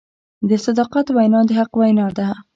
د صداقت وینا د حق وینا ده.